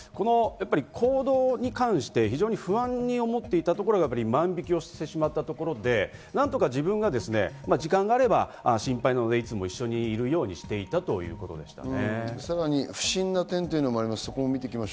行動に関して不安に思っていたところが万引をしてしまったところで何とか自分が時間があれば、心配なのでいつも一緒にいるようにしていたということですね。